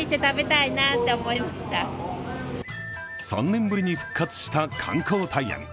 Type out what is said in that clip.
３年ぶりに復活した観光鯛網。